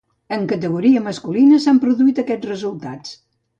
En categoria masculina s'han produït aquests resultats.